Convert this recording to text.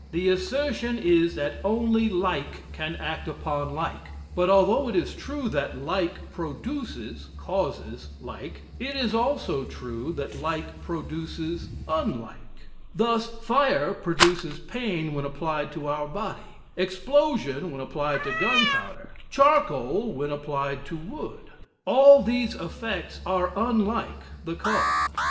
The assertion is that only like can act upon like; but although it is true that like produces (causes) like, it is also true that like produces unlike; thus fire produces pain when applied to our bodies; explosion when applied to gunpowder; charcoal when applied to wood; all these effects are unlike the cause."